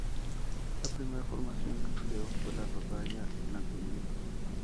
La primera formación que creó fue la rondalla 'Blanco y Negro'.